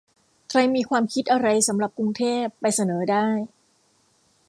ใครมีความคิดอะไรสำหรับกรุงเทพ ไปเสนอได้